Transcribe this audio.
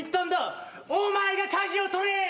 お前が舵を取れ！